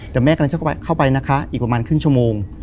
เดี๋ยวแม่กำลังจะเข้าไปนะคะอีกประมาณครึ่งชั่วโมง